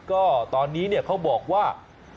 ก็ตอนนี้เขาบอกว่า